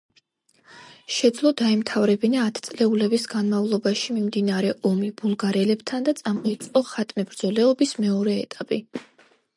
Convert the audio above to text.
შეძლო დაემთავრებინა ათწლეულების განმავლობაში მიმდინარე ომი ბულგარელებთან და წამოიწყო ხატმებრძოლეობის მეორე ეტაპი.